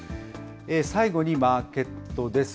最後にマーケットです。